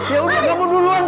yaudah kamu duluan kesana